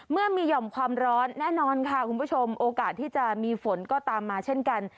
เมื่อมีหย่อมความร้อนแน่นอนค่ะคุณผู้ชมโอกาสที่จะมีฝนก็ตามมาเช่นกัน